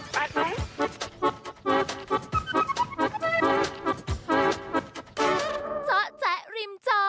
โปรดติดตามตอนต่อไป